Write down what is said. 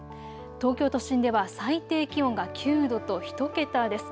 東京都心では最低気温が９度と１桁です。